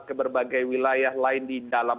ke berbagai wilayah lain di dalam